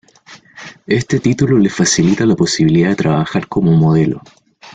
Éste título le facilita la posibilidad de trabajar como modelo.